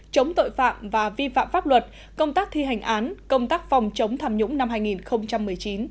chống tội phạm và vi phạm pháp luật công tác thi hành án công tác phòng chống tham nhũng năm hai nghìn một mươi chín